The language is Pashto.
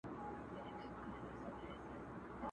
رنځ یې په کور وي طبیب نه لري دوا نه لري!.